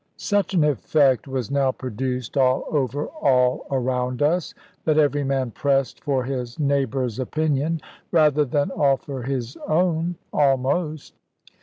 Such an effect was now produced all over all around us, that every man pressed for his neighbour's opinion, rather than offer his own, almost.